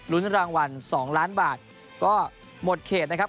รางวัล๒ล้านบาทก็หมดเขตนะครับ